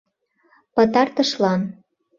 Пытартышлан!..